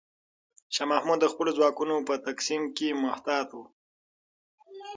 شاه محمود د خپلو ځواکونو په تقسیم کې محتاط و.